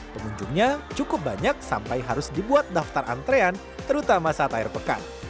pengunjungnya cukup banyak sampai harus dibuat daftar antrean terutama saat air pekan